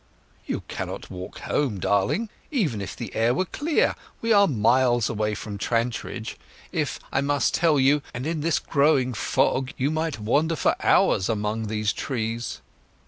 "You cannot walk home, darling, even if the air were clear. We are miles away from Trantridge, if I must tell you, and in this growing fog you might wander for hours among these trees."